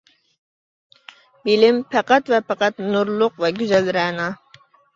بىلىم پەقەت ۋە پەقەت نۇرلۇق ۋە گۈزەل رەنا.